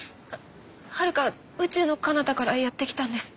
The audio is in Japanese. はるか宇宙のかなたからやってきたんです。